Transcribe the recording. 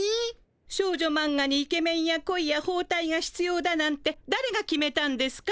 少女マンガにイケメンや恋やほうたいがひつようだなんてだれが決めたんですか？